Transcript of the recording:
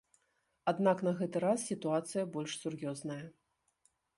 Аднак на гэты раз сітуацыя больш сур'ёзная.